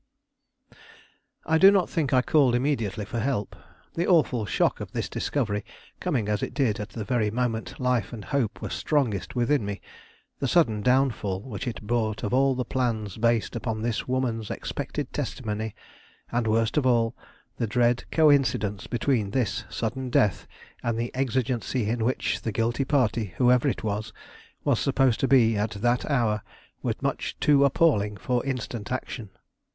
I do not think I called immediately for help. The awful shock of this discovery, coming as it did at the very moment life and hope were strongest within me; the sudden downfall which it brought of all the plans based upon this woman's expected testimony; and, worst of all, the dread coincidence between this sudden death and the exigency in which the guilty party, whoever it was, was supposed to be at that hour were much too appalling for instant action.